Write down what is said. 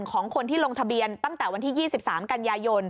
ของคนที่ลงทะเบียนตั้งแต่วันที่๒๓กันยายน